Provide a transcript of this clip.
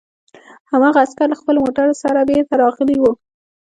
هماغه عسکر له خپلو موټرو سره بېرته راغلي وو